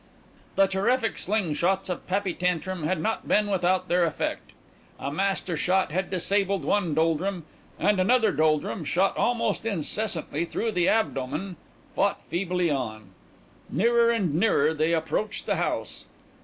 The terrific slingshots of Pappy Tantrum had not been without their effect. A master shot had disabled one Doldrum, and another Doldrum, shot almost incessantly through the abdomen, fought feebly on. Nearer and nearer they approached the house.